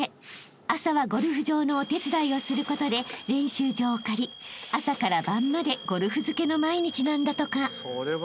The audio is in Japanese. ［朝はゴルフ場のお手伝いをすることで練習場を借り朝から晩までゴルフ漬けの毎日なんだとか］